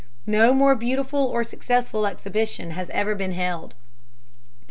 No more beautiful or successful exhibition has ever been held.